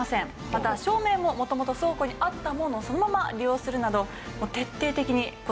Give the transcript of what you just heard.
また照明も元々倉庫にあったものをそのまま利用するなど。